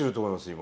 今。